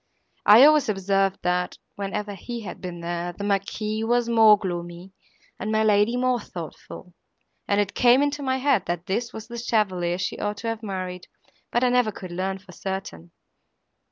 I always observed, that, whenever he had been there, the Marquis was more gloomy and my lady more thoughtful, and it came into my head, that this was the chevalier she ought to have married, but I never could learn for certain."